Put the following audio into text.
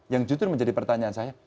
yang justru menjadi pertanyaan saya